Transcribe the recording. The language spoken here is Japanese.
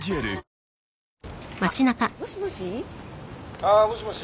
あっもしもし？